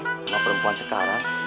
semua perempuan sekarang